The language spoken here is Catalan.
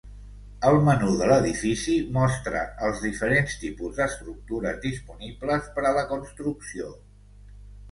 El menú de l’edifici mostra els diferents tipus d’estructures disponibles per a la construcció.